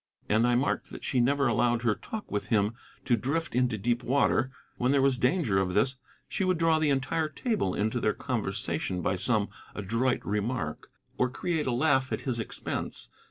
And I marked that she never allowed her talk with him to drift into deep water; when there was danger of this she would draw the entire table into their conversation by some adroit remark, or create a laugh at his expense.